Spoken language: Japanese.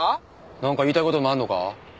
なんか言いたい事でもあるのか？